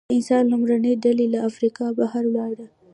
د انسان لومړنۍ ډلې له افریقا بهر ولاړې.